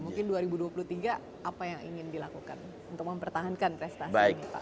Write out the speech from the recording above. mungkin dua ribu dua puluh tiga apa yang ingin dilakukan untuk mempertahankan prestasi ini pak